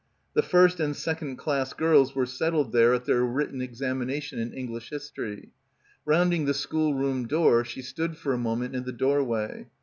The first and second class girls were settled there at their 185 PILGRIMAGE written examination in English history. Round ing the schoolroom door she stood for a moment in the doorway.